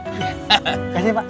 terima kasih pak